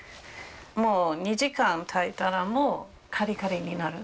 もう２時間たいたらもうカリカリになる。